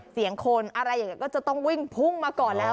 เสียงคนอะไรอย่างนี้ก็จะต้องวิ่งพุ่งมาก่อนแล้ว